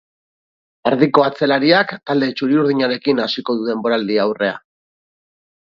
Erdiko atzelariak talde txuri-urdinarekin hasiko du denboraldi-aurrea.